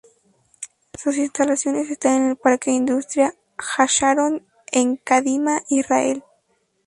Sus instalaciones están en el Parque Industrial Hasharon en Kadima, Israel.